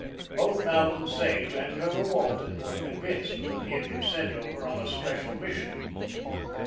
Both Malcolm Sage and Colonel Walton were convinced that he had been sent over on a special mission.